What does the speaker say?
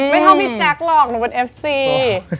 ไม่เท่าพี่แจ๊คหรอกหนูเป็นเอฟซี